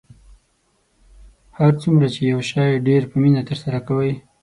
هر څومره چې یو شی ډیر په مینه ترسره کوئ